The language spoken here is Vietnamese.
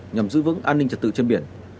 nhằm giữ vững an ninh trật tự trên biển